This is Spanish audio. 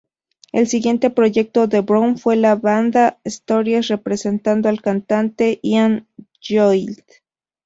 El siguiente proyecto de Brown fue la banda Stories, presentando al cantante Ian Lloyd.